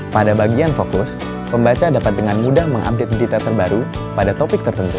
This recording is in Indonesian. pada bagian fokus pembaca dapat dengan mudah mengupdate berita terbaru pada topik tertentu